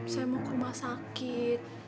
saya mau ke rumah sakit